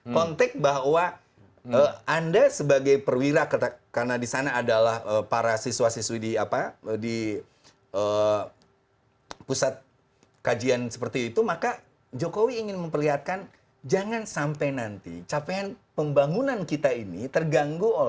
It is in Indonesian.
konteks bahwa anda sebagai perwira karena di sana adalah para siswa siswi di pusat kajian seperti itu maka jokowi ingin memperlihatkan jangan sampai nanti capaian pembangunan kita ini terganggu